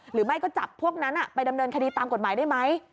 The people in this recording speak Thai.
หรือไม่ก็จับพวกนั้นไปดำเนินคดีตามกฎหมายได้ไหม